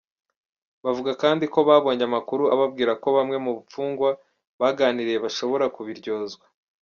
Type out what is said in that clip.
Bavuga kandi ko babonye amakuru ababwira ko bamwe mu mfungwa baganiriye bashobora kubiryozwa.